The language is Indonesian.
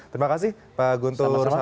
terima kasih pak guntur